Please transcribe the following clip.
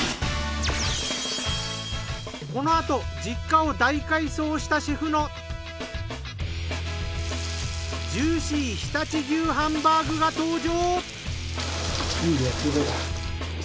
このあと実家を大改装したシェフのジューシー常陸牛ハンバーグが登場。